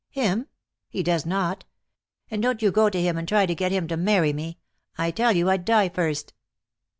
"Him? He does not. And don't you go to him and try to get him to marry me. I tell you I'd die first."